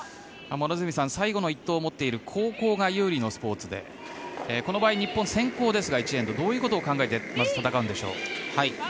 両角さん、最後の１投を持っている後攻が有利のスポーツでこの場合、日本先攻ですが１エンドはどういうことを考えてまず戦うんでしょう。